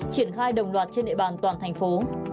triển khai đồng loạt trên địa bàn toàn thành phố